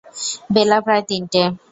বেলা প্রায় তিনটে।